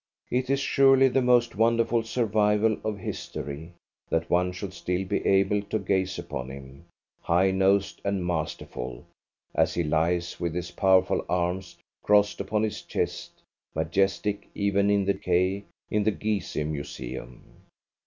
It is surely the most wonderful survival of history that one should still be able to gaze upon him, high nosed and masterful, as he lies with his powerful arms crossed upon his chest, majestic even in decay, in the Gizeh Museum.